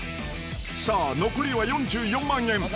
［さあ残りは４４万円］